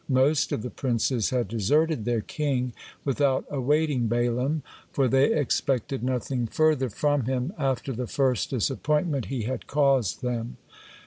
Most of the princes had deserted their king without awaiting Balaam, for they expected nothing further from him after the first disappointment he had caused them.